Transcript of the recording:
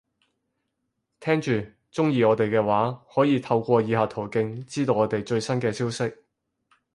聽住，鍾意我哋嘅話，可以透過以下途徑，知道我哋最新嘅消息